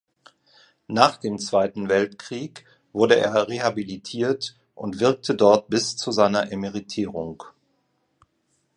Nach dem Zweiten Weltkrieg wurde er rehabilitiert und wirkte dort bis zu seiner Emeritierung.